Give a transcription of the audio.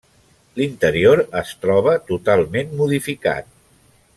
L'interior es troba totalment modificat.